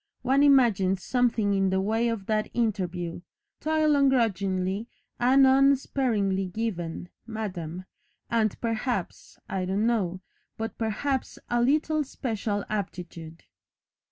One imagines something in the way of that interview, 'toil ungrudgingly and unsparingly given, Madam, and, perhaps I don't know but perhaps a little special aptitude.'"